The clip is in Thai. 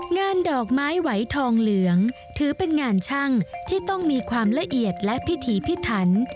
ดอกไม้ไหวทองเหลืองถือเป็นงานช่างที่ต้องมีความละเอียดและพิถีพิถัน